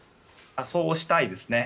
そうしたいですね。